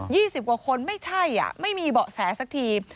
สิบกว่าคนไม่ใช่อ่ะไม่มีเบาะแสสักที